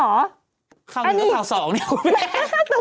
อันนี้คำหนึ่งว่าเผ่าสองเนี่ยคุณแม่